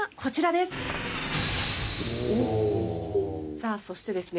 さあそしてですね